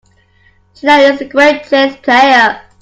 Gina is a great chess player.